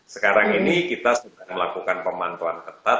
sekarang ini kita sedang melakukan pemantauan ketat